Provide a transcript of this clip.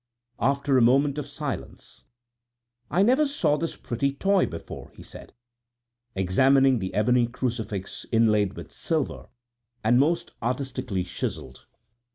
After a moment of silence: "I never saw this pretty toy before," he said, examining the ebony crucifix inlaid with silver, and most artistically chiseled.